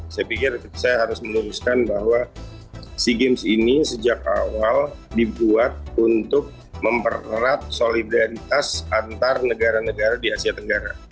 saya pikir saya harus meluruskan bahwa sea games ini sejak awal dibuat untuk mempererat solidaritas antar negara negara di asia tenggara